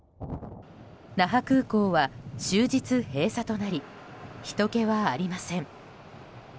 那覇空港は終日閉鎖となりひとけはありません。